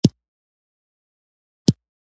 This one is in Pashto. ژور توپیرونه هغه مهال راڅرګند شول.